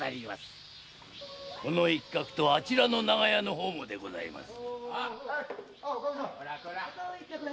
この一角とあちらの長屋の方もでございます。